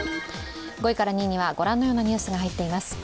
５位から２位にはご覧のニュースが入っています。